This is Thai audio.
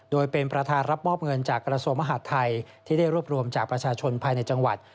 โดยเป็นประธานรับมอบเงินจากกระทรวงมหาดไทยที่ได้รวบรวมจากประชาชนภายในจังหวัด